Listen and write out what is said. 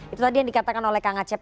itu tadi yang dikatakan oleh kang acep